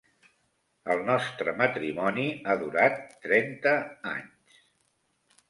El nostre matrimoni ha durat trenta anys.